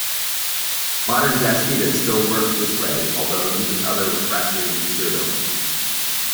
Modern gas heaters still work this way although using other refractory material.